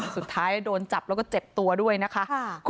สุดท้ายโดนจับแล้วก็เจ็บตัวด้วยนะคะ